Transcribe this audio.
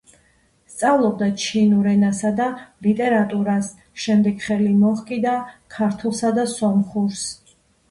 სწავლობდა ჩინურ ენასა და ლიტერატურას, შემდეგ ხელი მოჰკიდა ქართულსა და სომხურს.